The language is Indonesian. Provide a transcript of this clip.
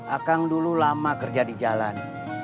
akang dulu lama kerja di jalan